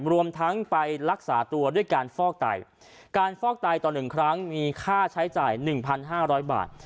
รวมทั้งไปรักษาตัวด้วยการฟอกไตการฟอกไตต่อหนึ่งครั้งมีค่าใช้จ่ายหนึ่งพันห้าร้อยบาท